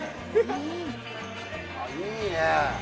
いいね。